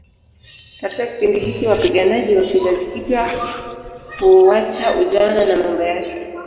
Katika kipindi hiki wapiganaji wa kizazi kipya huuacha ujana na mambo yake